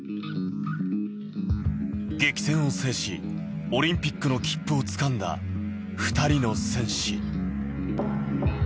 激戦を制し、オリンピックの切符を掴んだ２人の戦士。